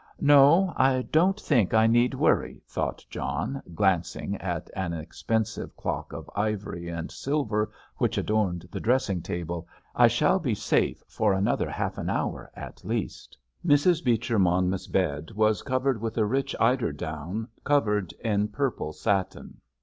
"No; I don't think I need worry," thought John, glancing at an expensive clock of ivory and silver which adorned the dressing table. "I shall be safe for another half an hour at least." Mrs. Beecher Monmouth's bed was covered with a rich eiderdown covered in purple satin.